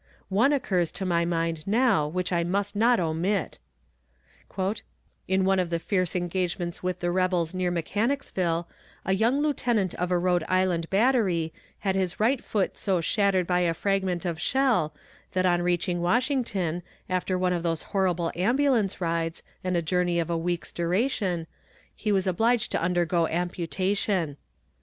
One occurs to my mind now which I must not omit: "In one of the fierce engagements with the rebels near Mechanicsville, a young lieutenant of a Rhode Island battery had his right foot so shattered by a fragment of shell that on reaching Washington, after one of those horrible ambulance rides, and a journey of a week's duration, he was obliged to undergo amputation.